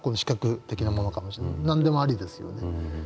何でもありですよね。